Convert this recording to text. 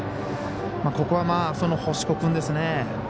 ここは星子君ですね。